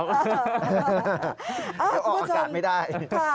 อ้าวเมื่อเกินออกอากาศไม่ได้